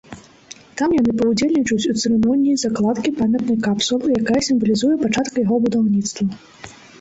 Там яны паўдзельнічаюць у цырымоніі закладкі памятнай капсулы, якая сімвалізуе пачатак яго будаўніцтва.